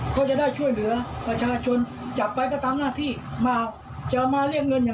ต้องเอาให้ให้เรียกเงินกัน